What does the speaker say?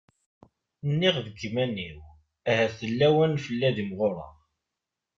Nniɣ deg yiman-iw ahat d lawan fell-i ad imɣureɣ.